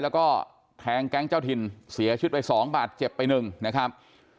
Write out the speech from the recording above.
แล้วก็แทงแก๊งเจ้าถิ่นเสียชีวิตไปสองบาทเจ็บไปหนึ่งนะครับ